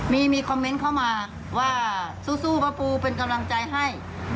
มีมีคอมเมนต์เข้ามาว่าสู้ป้าปูเป็นกำลังใจให้